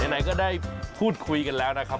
ไหนก็ได้พูดคุยกันแล้วนะครับ